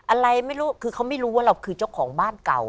อะไรไม่รู้คือเขาไม่รู้ว่าเราคือเจ้าของบ้านเก่า